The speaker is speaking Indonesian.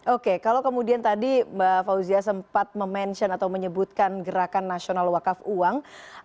oke kalau kemudian tadi mbak fauzia sempat mention atau menyebutkan gerakan nasional wakaf uang